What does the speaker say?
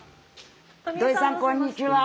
土井さんこんにちは。